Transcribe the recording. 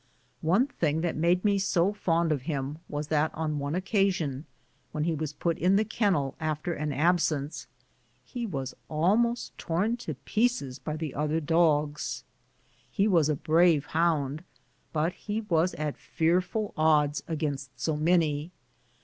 One thing that made me so fond of him was that on one occasion, when he was put in the kennel after an absence, he was almost torn to pieces by the other dogs. He was a brave hound, but he was at fearful odds against so many.